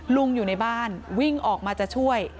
อยู่ในบ้านวิ่งออกมาจะช่วย